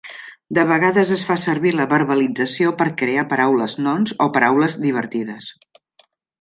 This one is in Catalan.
De vegades es fa servir la verbalització per crear paraules "nonce" o paraules divertides.